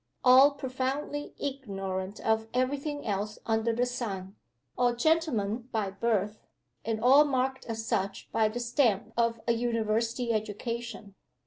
All profoundly ignorant of every thing else under the sun. All gentlemen by birth, and all marked as such by the stamp of "a University education."